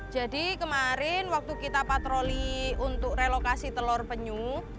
jadi kemarin waktu kita patroli untuk relokasi telur penyu